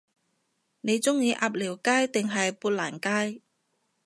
你鍾意鴨寮街定係砵蘭街？